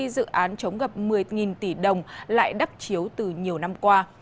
giống gặp một mươi tỷ đồng lại đắp chiếu từ nhiều năm qua